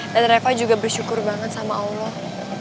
dan reva juga bersyukur banget sama allah